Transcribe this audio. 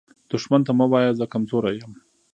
دښمن ته مه وایه “زه کمزوری یم”